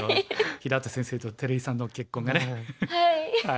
平田先生と照井さんの結婚がね。